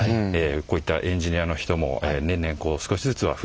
こういったエンジニアの人も年々少しずつは増えてきてます。